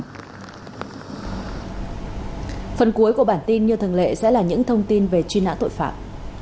phần cuối của bản tin như thường lệ sẽ là những thông tin về truy nã tội phạm